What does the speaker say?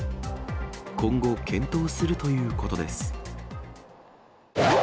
今後、検討するということです。